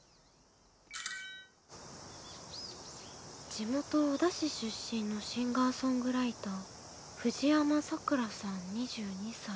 「地元小田市出身のシンガーソングライター藤山さくらさん２２歳。